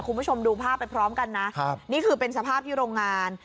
คุณผู้ชมดูภาพไปพร้อมกันนะครับนี่คือเป็นสภาพที่โรงงาน